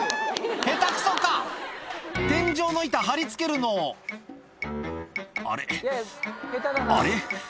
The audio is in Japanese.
ヘタくそか⁉天井の板張り付けるの「あれ？あれ？」